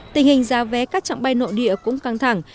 tình hình giá vé các trạng bay nội địa cũng căng thẳng